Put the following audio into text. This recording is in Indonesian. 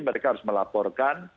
mereka harus melaporkan